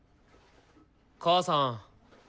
母さん。